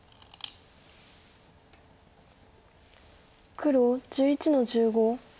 黒１１の十五。